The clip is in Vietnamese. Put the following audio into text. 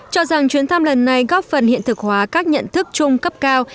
cho rằng chuyến thăm lần này góp phần hiện thực hóa các nhận thức chung cấp cao